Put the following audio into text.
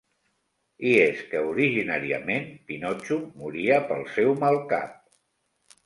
I és que originàriament, Pinotxo moria pel seu mal cap.